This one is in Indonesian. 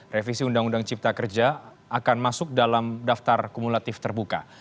revisi undang undang cipta kerja akan masuk dalam daftar kumulatif terbuka